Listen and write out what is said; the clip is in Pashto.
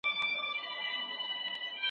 پخواني انقلابيان يوازي په نوم پاته دي.